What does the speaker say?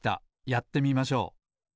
やってみましょう。